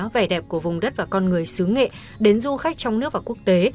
vẻ đẹp của vùng đất và con người xứ nghệ đến du khách trong nước và quốc tế